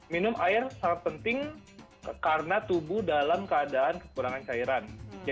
minum air sangat penting karena tubuh dalam keadaan kekurangan cairan